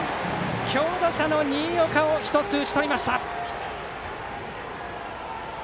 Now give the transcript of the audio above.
強打者の新岡を打ち取りました。